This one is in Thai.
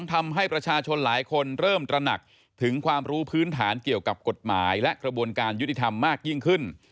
ทำให้ประชาชนหลายคนเริ่มตระหนักถึงความรู้พื้นฐานเกี่ยวกับกฎหมายและกระบวนการยุติธรรมมากยิ่งขึ้น